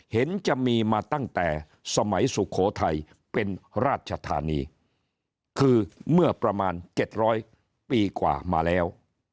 เห็นจะมีมาตั้งแต่สมัยสุโขทัยเป็นราชธานีคือเมื่อประมาณ๗๐๐ปีกว่ามาแล้ว